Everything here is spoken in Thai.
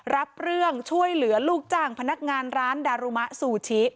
รับเรื่องช่วยเหลือลูกจ้างพนักงานร้านดารุมะซูชิ